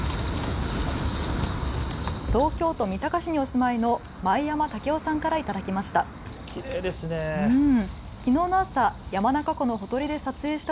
東京都三鷹市にお住まいの前山武雄さんから頂きました。